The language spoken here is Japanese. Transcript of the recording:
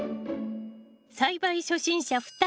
栽培初心者２人。